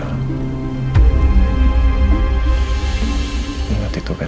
elsa membuang anak kamu